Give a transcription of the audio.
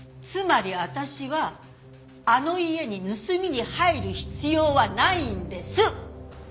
つまり私はあの家に盗みに入る必要はないんです！